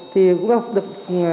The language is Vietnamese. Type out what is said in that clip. thì cũng đã được